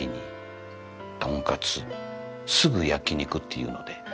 すぐ焼き肉って言うので。